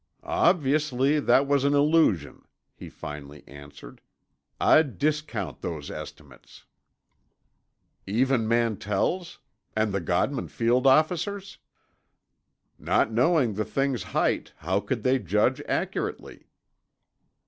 "Obviously, that was an illusion," he finally answered. "I'd discount those estimates." "Even Mantell's? And the Godman Field officers'?" "Not knowing the thing's height, how could they judge accurately?"